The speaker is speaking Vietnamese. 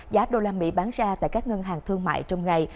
giá đô la mỹ bán ra tại các ngân hàng thương mại trong ngày